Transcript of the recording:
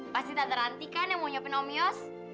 pasti tante ranti kan yang mau nyopin om yos